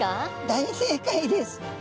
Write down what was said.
大正解です。